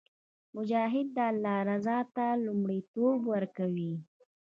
مجاهد د الله رضا ته لومړیتوب ورکوي.